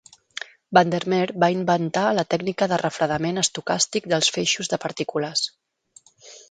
Van der Meer va inventar la tècnica de refredament estocàstic dels feixos de partícules.